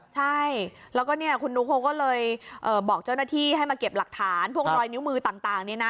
ใช่แล้วก็เนี่ยคุณนุ๊กเขาก็เลยบอกเจ้าหน้าที่ให้มาเก็บหลักฐานพวกรอยนิ้วมือต่างนี่นะ